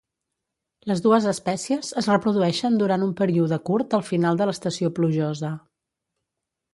Les dues espècies es reprodueixen durant un període curt al final de l'estació plujosa.